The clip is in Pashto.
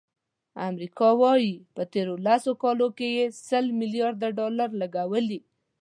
امریکا وایي، په تېرو لسو کالو کې سل ملیارد ډالر لګولي.